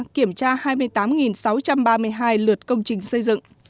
kiểm tra hai mươi tám sáu trăm ba mươi hai lượt công trình xây dựng